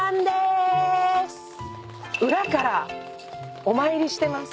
裏からお参りしてます。